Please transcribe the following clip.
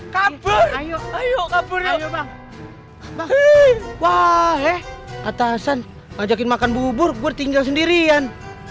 kabur ayo kabur yuk bang wah eh atasan ngajakin makan bubur gua tinggal sendirian